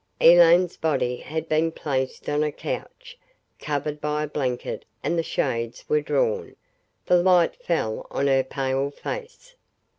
Elaine's body had been placed on a couch, covered by a blanket, and the shades were drawn. The light fell on her pale face.